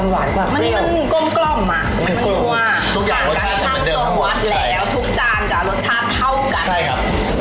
ทุกอย่างรสชาติมันเดิมทั้งหมดใช่ใช่ทุกจานจะรสชาติเท่ากันใช่ครับ